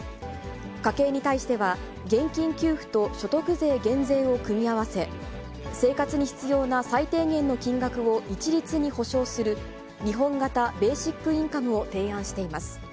家計に対しては、現金給付と所得税減税を組み合わせ、生活に必要な最低限の金額を一律にほしょうする、日本型ベーシックインカムを提案しています。